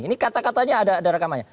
ini kata katanya ada rekamannya